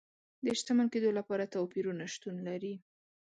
د شتمن کېدو لپاره توپیرونه شتون لري.